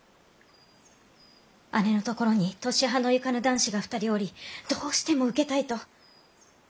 姉のところに年端のゆかぬ男子が２人おりどうしても受けたいと！